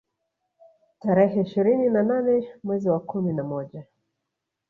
Tarehe ishirini na nane mwezi wa kumi na moja